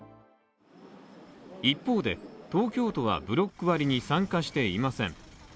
一方で、東京都はブロック割に参加していません。